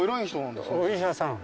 お医者さん